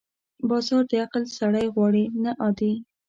بازار د عقل سړی غواړي، نه عادي.